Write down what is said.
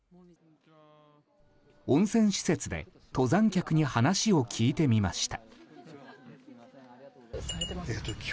温泉施設で登山客に話を聞いてみました。